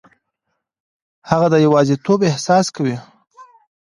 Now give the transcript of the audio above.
هغه د یوازیتوب احساس کوي.